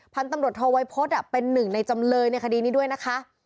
พันธุ์ตำรวจโทวัยพฤษเป็นหนึ่งในจำเลยในคดีนี้ด้วยนะคะ